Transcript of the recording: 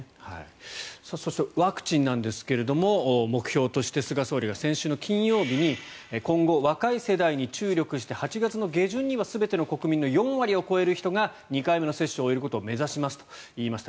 そして、ワクチンなんですが目標として菅総理が先週の金曜日に今後、若い世代に注力して８月下旬には全ての国民の４割を超える人が２回目の接種を終えることを目指しますと言いました。